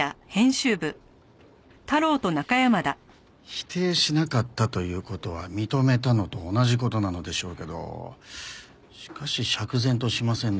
否定しなかったという事は認めたのと同じ事なのでしょうけどしかし釈然としませんね。